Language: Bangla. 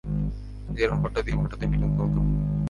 যে নম্বরটা দিব ওটাতে ভিডিও কল করুন।